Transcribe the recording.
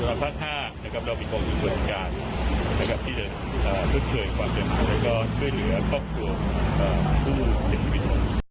และก็ช่วยเหนือข้อบคุมผู้เจ็บจิบิต